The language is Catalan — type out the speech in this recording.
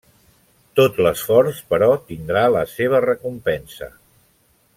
Tot l'esforç, però, tindrà la seva recompensa.